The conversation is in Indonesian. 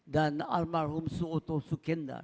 dan almarhum su'oto sukendal